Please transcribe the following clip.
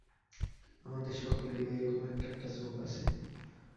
আমাদের সকলেরই ঐ রকম এক-একটা ঝোঁক আছে।